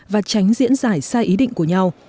và tránh diễn giải sai ý định của nhau